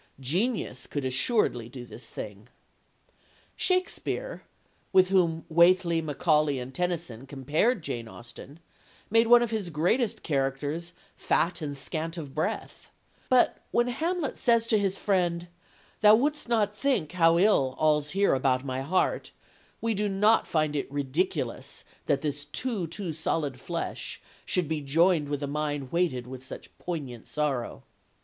Genius could assuredly do this thing. Shakespeare, with whom Whately, Macaulay and Tennyson compared Jane Austen, made one of his greatest characters "fat and scant of breath," but when Hamlet says to his friend, "Thou woulds't not think how ill all's here about my heart," we do not find it "ridiculous" that this "too, too solid flesh" should be joined with a mind weighted with such poignant sorrow.